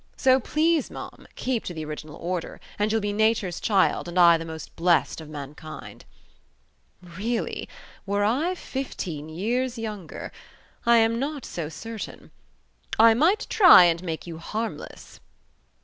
So please, ma'am, keep to the original order, and you'll be nature's child, and I the most blessed of mankind." "Really, were I fifteen years younger. I am not so certain ... I might try and make you harmless."